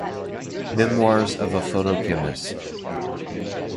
Memoirs of a photochemist.